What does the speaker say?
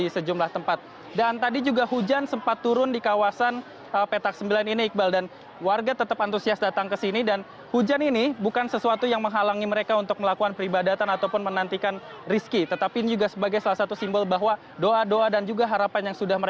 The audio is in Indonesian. sampai jumpa di video selanjutnya